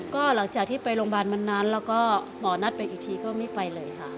ก็หลังจากที่ไปโรงพยาบาลวันนั้นแล้วก็หมอนัดไปอีกทีก็ไม่ไปเลยค่ะ